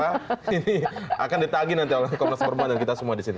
jadi akan ditagi nanti oleh komnas perbuatan dan kita semua disini